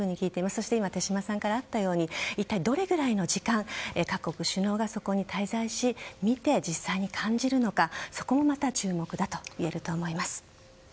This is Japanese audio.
そして今、手嶋さんからあったように、どれぐらいの時間、各国首脳がそこに滞在し見て実際に感じるのか、そこまた注目だといえると思います。